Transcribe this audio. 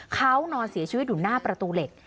เขานอนเสียชีวิตอยู่หน้าประตูเหล็ก